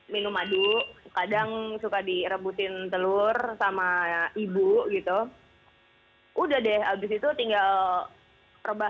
minum madu kadang suka direbutin telur sama ibu gitu udah deh jac ligong estabas itu tinggal rebah